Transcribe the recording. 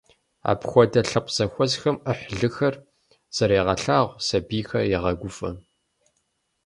Апхуэдэ лъэпкъ зэхуэсхэм Ӏыхьлыхэр зэрегъэлъагъу, сабийхэр егъэгуфӏэ.